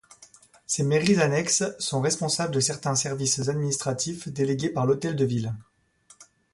Ces mairies annexes sont responsables de certains services administratifs délégués par l'hôtel de ville.